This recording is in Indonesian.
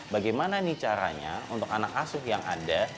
bagaimana nih caranya untuk anak asuh yang ada